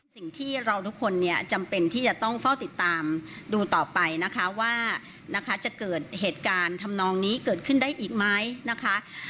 สิ่งที่เราทุกคนเนี่ยจำเป็นที่จะต้องเฝ้าติดตามดูต่อไปนะคะว่านะคะจะเกิดเหตุการณ์ทำนองนี้เกิดขึ้นได้อีกไหมนะคะ